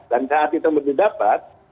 dan saat itu mendapat